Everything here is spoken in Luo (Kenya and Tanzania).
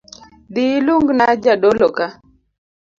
Dhii ilungna jodolo ka